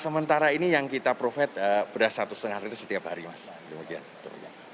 sementara ini yang kita provide beras satu setengah setiap hari mas demikian